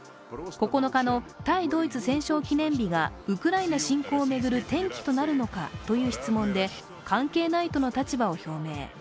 ９日の対ドイツ戦勝記念日がウクライナ侵攻を巡る転機となるのかという質問で関係ないとの立場を表明。